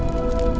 aku akan menang